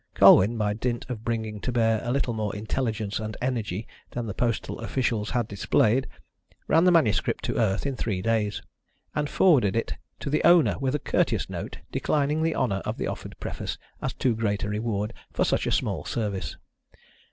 Colwyn, by dint of bringing to bear a little more intelligence and energy than the postal officials had displayed, ran the manuscript to earth in three days, and forwarded it to the owner with a courteous note declining the honour of the offered preface as too great a reward for such a small service.